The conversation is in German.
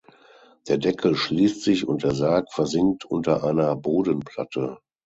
Der Deckel schließt sich und der Sarg versinkt unter einer Bodenplatte.